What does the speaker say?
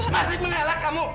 masih mengalah kamu